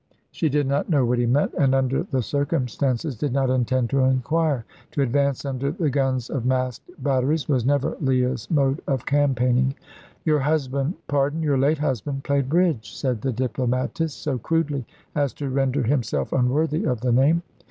she did not know what he meant, and under the circumstances did not intend to inquire. To advance under the guns of masked batteries was never Leah's mode of campaigning. "Your husband pardon, your late husband played bridge," said the diplomatist, so crudely as to render himself unworthy of the name.